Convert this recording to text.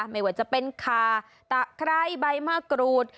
ไม่ว่าจะเป็นคาขร้ายใบมะกรูด